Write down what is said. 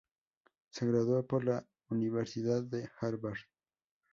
Se graduó por la Universidad de Harvard.